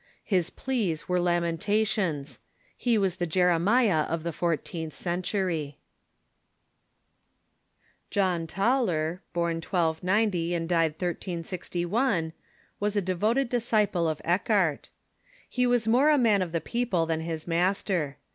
His pleas were lamentations. He was the Jeremiah of the four teenth century. John Taulei", born 1290 and died 1361, was a devoted dis ciple of Eckart. He was more a man of the people than his master.